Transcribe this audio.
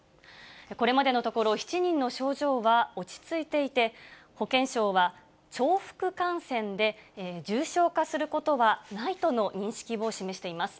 これまでのところ、７人の症状は落ち着いていて、保健省は、重複感染で、重症化することはないとの認識を示しています。